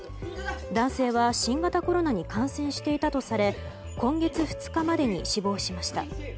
男性は新型コロナに感染していたとされ今月２日までに死亡しました。